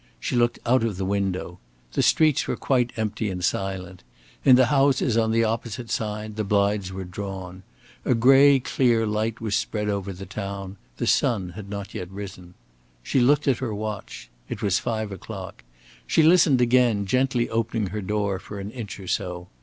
She looked out of the window. The streets were quite empty and silent. In the houses on the opposite side the blinds were drawn; a gray clear light was spread over the town; the sun had not yet risen. She looked at her watch. It was five o'clock. She listened again, gently opening her door for an inch or so.